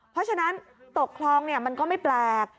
เพราะฉะนั้นตกคลองมันก็ไม่แปลก